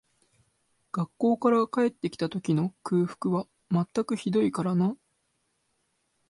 学校から帰って来た時の空腹は全くひどいからな